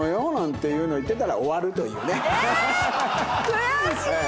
悔しい！